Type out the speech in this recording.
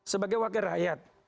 sebagai wakil rakyat